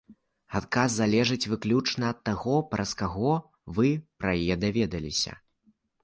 Адказ залежыць выключна ад таго, праз каго вы пра яе даведаліся.